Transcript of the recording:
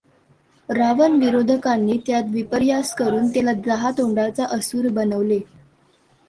रावण विरोधकानी त्यात विपर्यास करून त्याला दहा तोंडाचा असुर हबनवले.